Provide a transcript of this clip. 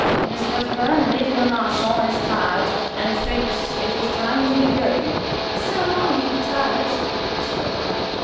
"Miss Wedderburn, Lady Le Marchant is tired and thinks it is time to be going." "So am I tired," she replied.